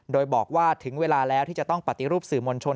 โดยบอกว่าถึงเวลาแล้วที่จะต้องปฏิรูปสื่อมวลชน